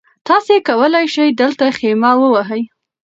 تاسي کولای شئ دلته خیمه ووهئ.